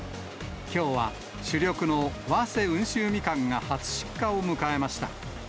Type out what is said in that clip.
きょうは主力の早生温州ミカンが初出荷を迎えました。